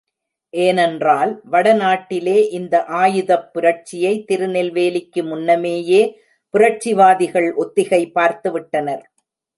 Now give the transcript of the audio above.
ஏனென்றால் வடநாட்டிலே இந்த ஆயுதப் புரட்சியை திருநெல்வேலிக்கு முன்னமேயே புரட்சிவாதிகள் ஒத்திகை பார்த்துவிட்டனர்.